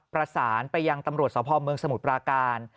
ประสานไปยังตำรวจสภเมืองสมุทรปราการ